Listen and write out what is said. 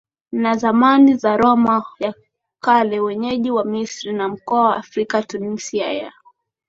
na zamani za Roma ya Kale Wenyeji wa Misri na mkoa wa AfrikaTunisia ya